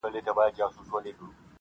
• يو کال وروسته کلي بدل سوی,